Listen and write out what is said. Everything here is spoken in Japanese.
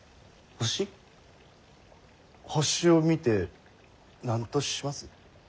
星を見て何とします？